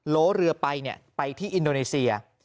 โลเรือไปไปที่อินโดนีเซีย